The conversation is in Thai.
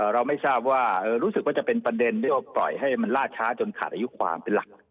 เราไม่ทราบว่ารู้สึกว่าจะเป็นประเด็นที่เขาปล่อยให้มันล่าช้าจนขาดอายุความเป็นหลัก